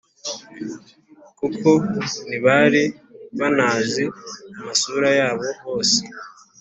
kuko ntibari banazi amasura yabo bose